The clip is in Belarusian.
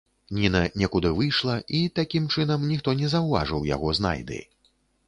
Ніна некуды выйшла, і, такім чынам, ніхто не заўважыў яго знайды.